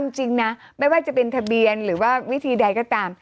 จริงนะไม่ว่าจะเป็นทะเบียนหรือว่าวิธีใดก็ตาม